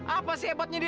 apa sih hebatnya dia